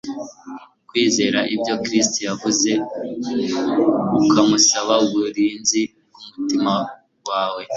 Kwizera ibyo Kristo yavuze, ukamusaba uburinzi bw'umutima wawe,